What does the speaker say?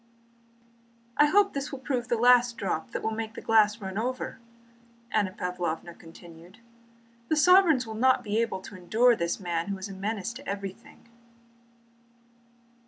"I hope this will prove the last drop that will make the glass run over," Anna Pávlovna continued. "The sovereigns will not be able to endure this man who is a menace to everything."